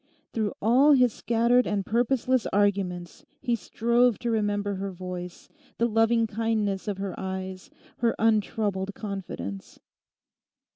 Through all his scattered and purposeless arguments he strove to remember her voice, the loving kindness of her eyes, her untroubled confidence.